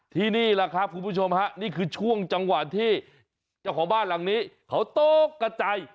นี่แหละครับคุณผู้ชมฮะนี่คือช่วงจังหวะที่เจ้าของบ้านหลังนี้เขาตกกระจาย